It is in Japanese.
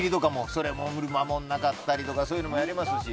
それも守らなかったりとかそういうのもやりますし。